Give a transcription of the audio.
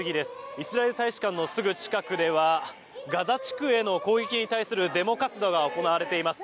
イスラエル大使館のすぐ近くではガザ地区への攻撃に対するデモ活動が行われています。